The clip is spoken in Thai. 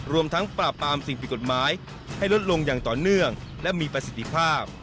รวมทั้งปราบปรามสิ่งผิดกฎหมายให้ลดลงอย่างต่อเนื่องและมีประสิทธิภาพ